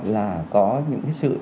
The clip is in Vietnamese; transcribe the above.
là có những sự